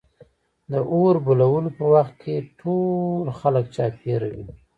د اور بلولو په وخت کې ټول خلک چاپېره وي.